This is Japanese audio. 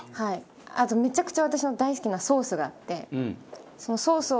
あとめちゃくちゃ私の大好きなソースがあって。